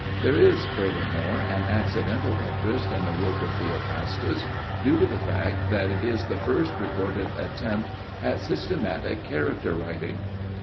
There is, furthermore, an accidental interest in the work of Theophrastus, due to the fact that it is the first recorded attempt at systematic character writing.